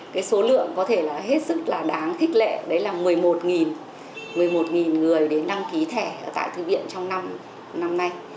cái số lượng có thể là hết sức là đáng khích lệ đấy là một mươi một một mươi một người đến đăng ký thẻ tại thư viện trong năm nay